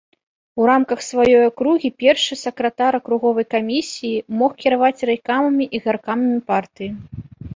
У рамках сваёй акругі першы сакратар акруговай камісіі мог кіраваць райкамамі і гаркамамі партыі.